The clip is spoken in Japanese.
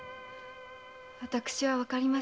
私はわかりません。